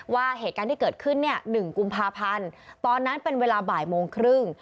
ว่าเหตุการณ์ที่เกิดขึ้นเนี่ย๑กุมภาพันธ์ตอนนั้นเป็นเวลาบ่ายโมงครึ่ง